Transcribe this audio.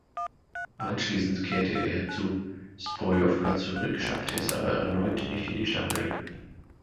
Anschließend kehrte er zu Zbrojovka zurück, schaffte es aber erneut nicht in die Stammelf.